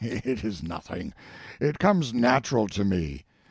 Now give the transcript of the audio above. "It is nothing; it comes natural to me.